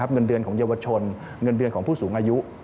เงินเดือนของเยาวชนเงินเดือนของผู้สูงอายุ